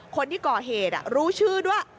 คนที่ก่อเหตุรู้ชื่อด้วย